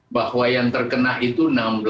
bahwa yang terkena itu enam belas